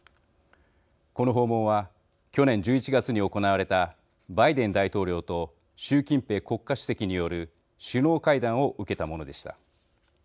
この訪問は去年１１月に行われたバイデン大統領と習近平国家主席による首脳会談を受けたものでした。